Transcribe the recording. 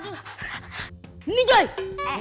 gua kejar anjing